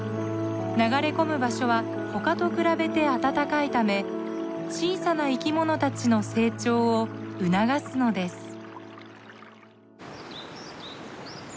流れ込む場所は他と比べて温かいため小さな生き物たちの成長を促すのです。